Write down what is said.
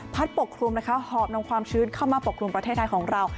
ปกคลุมนะคะหอบนำความชื้นเข้ามาปกครุมประเทศไทยของเรา